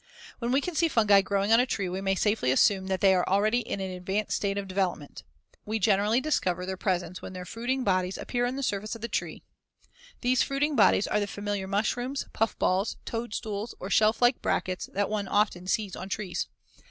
When we can see fungi growing on a tree we may safely assume that they are already in an advanced state of development. We generally discover their presence when their fruiting bodies appear on the surface of the tree as shown in Fig 109. These fruiting bodies are the familiar mushrooms, puffballs, toadstools or shelf like brackets that one often sees on trees.